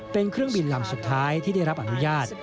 เป็นเครื่องบินลำสุดท้ายที่ได้รับอนุญาต